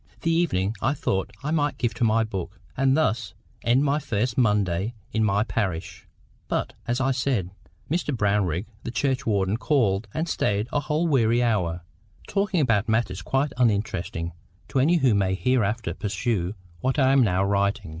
The evening I thought I might give to my books, and thus end my first Monday in my parish; but, as I said, Mr Brownrigg, the churchwarden, called and stayed a whole weary hour, talking about matters quite uninteresting to any who may hereafter peruse what I am now writing.